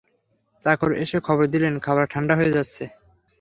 চাকর এসে খবর দিলে খাবার ঠাণ্ডা হয়ে যাচ্ছে।